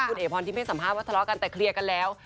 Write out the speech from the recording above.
คุณเอพรที่ไม่สามารถว่าทะเลากันแต่เคลียร์กันแล้ว